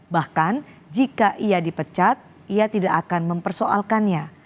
bahkan jika ia dipecat ia tidak akan mempersoalkannya